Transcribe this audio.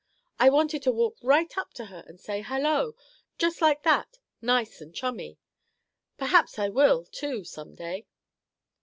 I wanted to walk right up to her and say 'Hello!' just like that, nice and chummy. Perhaps I will, too, some day.